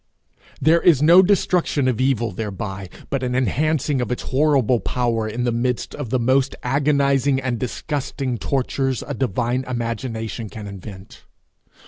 There is no destruction of evil thereby, but an enhancing of its horrible power in the midst of the most agonizing and disgusting tortures a divine imagination can invent.